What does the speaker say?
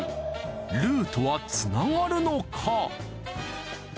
ルートはつながるのか？